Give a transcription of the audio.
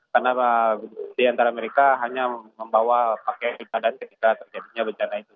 karena di antara mereka hanya membawa pakaian kebadan ketika terjadi bencana itu